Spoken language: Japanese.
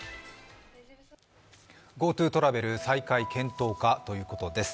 ＧｏＴｏトラベル再開検討かということです。